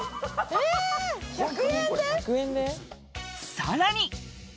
さらに。